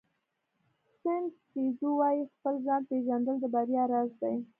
سن ټزو وایي خپل ځان پېژندل د بریا راز دی.